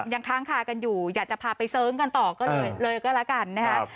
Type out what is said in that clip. ยังค้างคากันอยู่อยากจะพาไปเซิงกันต่อเลยก็แล้วกัน